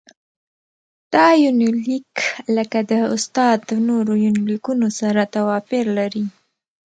دا يونليک لکه د استاد د نورو يونليکونو سره تواپېر لري.